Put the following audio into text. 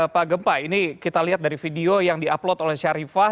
pak gempa ini kita lihat dari video yang di upload oleh syarifah